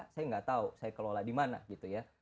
saya nggak tahu saya kelola di mana gitu ya